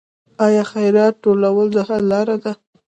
آیا خیرات ټولول د حل لاره ده؟